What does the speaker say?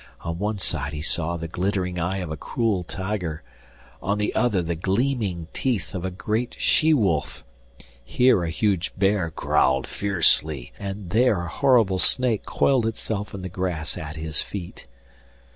On one side he saw the glittering eye of a cruel tiger, on the other the gleaming teeth of a great she wolf; here a huge bear growled fiercely, and there a horrible snake coiled itself in the grass at his feet.